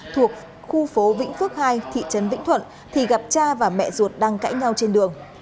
thuộc khu phố vĩnh phước hai thị trấn vĩnh thuận thì gặp cha và mẹ ruột đang cãi nhau trên đường